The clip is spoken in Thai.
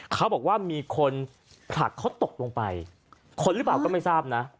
เขาบอกว่ามีคนผลักเขาตกลงไปคนหรือเปล่าก็ไม่ทราบนะ